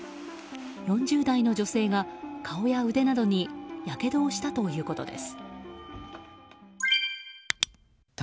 ４０代の女性が顔や腕などにやけどをしたということです。